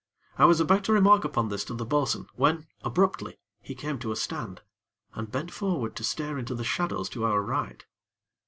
I was about to remark upon this to the bo'sun, when, abruptly, he came to a stand, and bent forward to stare into the shadows to our right.